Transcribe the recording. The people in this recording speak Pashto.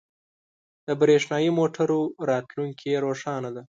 • د برېښنايی موټرو راتلونکې روښانه ده.